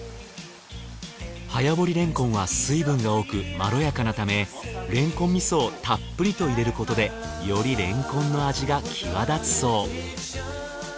早掘りれんこんは水分が多くまろやかなためれんこん味噌をたっぷりと入れることでよりれんこんの味が際立つそう。